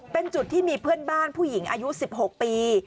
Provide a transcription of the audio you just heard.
เป็นจุดที่มีเพื่อนบ้านผู้หญิงอายุ๑๖ปี